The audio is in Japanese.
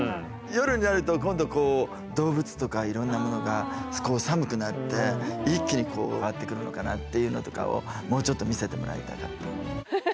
夜になると今度こう動物とかいろんなものが寒くなって一気にこうわって来るのかなっていうのとかをもうちょっと見せてもらいたかった。